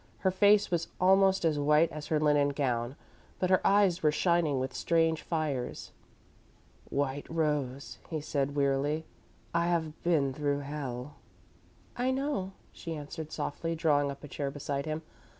Her face was almost as white as her linen gown, but her eyes were shining with strange fires. "White Rose," he said, wearily, "I have been through hell." "I know," she answered, softly, drawing up a chair beside him.